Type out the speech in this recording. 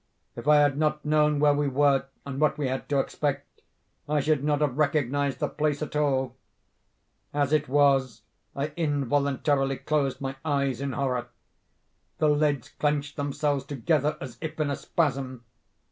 If I had not known where we were, and what we had to expect, I should not have recognised the place at all. As it was, I involuntarily closed my eyes in horror. The lids clenched themselves together as if in a spasm.